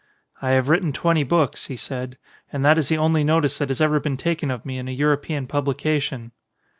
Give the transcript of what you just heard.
"I have written twenty books," he said. "And that is the only notice that has ever been taken of me in a European publication."